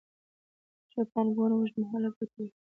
ښه پانګونه اوږدمهاله ګټه ورکوي.